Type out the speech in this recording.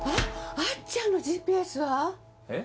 あっちゃんのＧＰＳは？えっ？